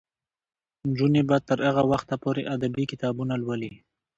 نجونې به تر هغه وخته پورې ادبي کتابونه لولي.